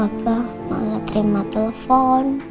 tapi papa malah terima telepon